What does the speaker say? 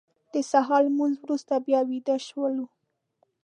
د سهار لمونځ وروسته بیا ویده شولو.